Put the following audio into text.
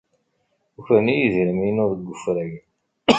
Ukren-iyi idrimen-inu deg wefrag.